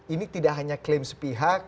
ini tidak hanya klaim sepihak